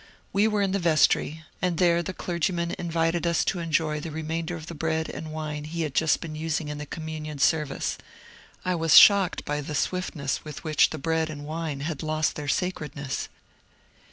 We were in the vestry, and there the clergyman invited us to enjoy the remainder of the bread and wine he had just been using in the Communion Service. I was shocked by the swiftness with which the bread and wine had lost their sacredness.